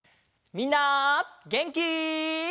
みんなげんき？